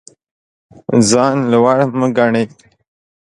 ځان لوړ مه ګڼئ.